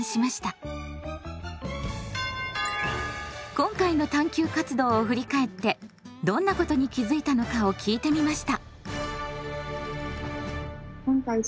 今回の探究活動を振り返ってどんなことに気付いたのかを聞いてみました。